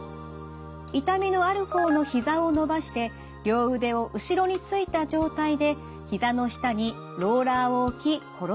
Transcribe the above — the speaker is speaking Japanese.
痛みのある方のひざを伸ばして両腕を後ろについた状態でひざの下にローラーを置き転がします。